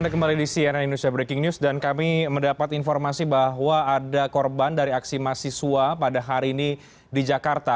anda kembali di cnn indonesia breaking news dan kami mendapat informasi bahwa ada korban dari aksi mahasiswa pada hari ini di jakarta